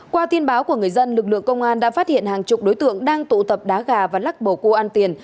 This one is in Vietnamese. qua tin báo của người dân lực lượng công an đã phát hiện hàng chục đối tượng đang tụ tập đá gà và lắc bầu cua ăn tiền